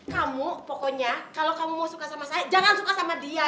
kamu pokoknya kalau kamu mau suka sama saya jangan suka sama dia